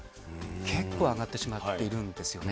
結構上がってしまっているんですよね。